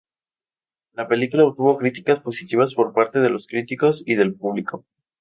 La película obtuvo críticas positivas por parte de los críticos y del público.